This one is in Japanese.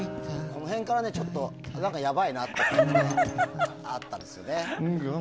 この辺からちょっとやばいなっていうのがあったんですよね。